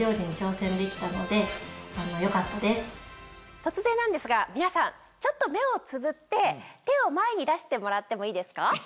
突然なんですが皆さんちょっと目をつぶって手を前に出してもらってもいいですか？